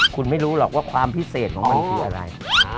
คุณไม่รู้หรอกว่าความพิเศษของมันคืออะไร